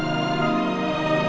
aku mau makan